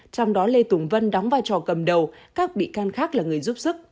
trong đó lê tùng vân đóng vai trò cầm đầu các bị can khác là người giúp sức